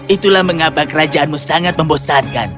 itulah mengapa kerajaanmu sangat membosankan